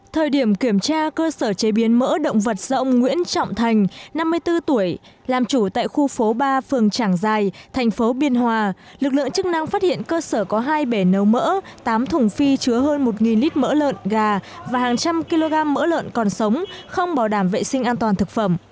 thời điểm kiểm tra cơ sở chế biến mỡ động vật do ông nguyễn trọng thành năm mươi bốn tuổi làm chủ tại khu phố ba phường trảng giài thành phố biên hòa lực lượng chức năng phát hiện cơ sở có hai bể nấu mỡ tám thùng phi chứa hơn một lít mỡ lợn gà và hàng trăm kg mỡ lợn còn sống không bảo đảm vệ sinh an toàn thực phẩm